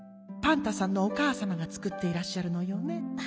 パンタさんのおかあさまがつくっていらっしゃるのよね？